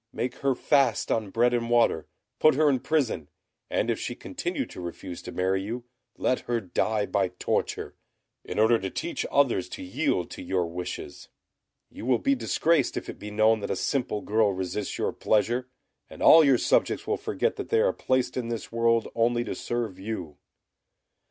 Make her fast on bread and water; put her in prison; and if she continue to refuse to marry you, let her die by torture, in order to teach others to yield to your wishes. You will be disgraced if it be known that a simple girl resists your pleasure, and all your subjects will forget that they are placed in this world only to serve you."